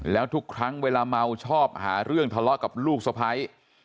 แล้วทุกครั้งเวลาเมาชอบหาเรื่องทะเลาะกับลูกสะพ้าย